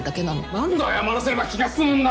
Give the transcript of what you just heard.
何度謝らせれば気が済むんだ！